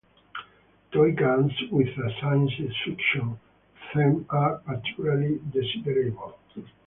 Toy guns with a science fiction theme are particularly desirable.